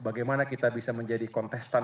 bagaimana kita bisa menjadi kontestan